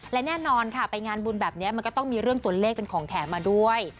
และแน่นอนค่ะไปงานบุญแบบนี้มันก็ต้องมีเรื่องตัวเลขเป็นของแถมมาด้วย